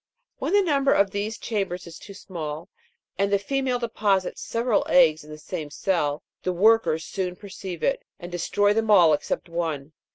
When the number of these chambers is too small, and the female deposits several eggs in the same cell, the workers soon perceive it, and destroy them all except one.